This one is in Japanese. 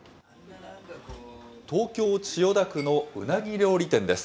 東京・千代田区のうなぎ料理店です。